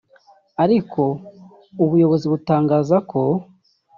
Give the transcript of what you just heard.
ariko ubuyobozi butangaza ko